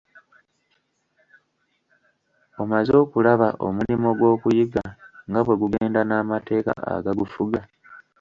Omaze okulaba omulimo gw'okuyiga nga bwe gugenda n'amateka agagufuga.